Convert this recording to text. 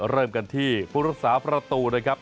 เริ่มกันที่ผู้รักษาประตูนะครับ